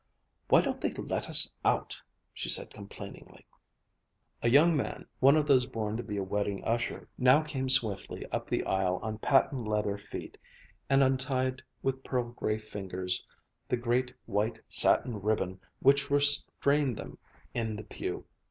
"Why don't they let us out!" she said complainingly. A young man, one of those born to be a wedding usher, now came swiftly up the aisle on patent leather feet and untied with pearl gray fingers the great white satin ribbon which restrained them in the pew.